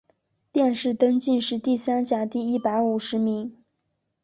殿试登进士第三甲第一百五十名。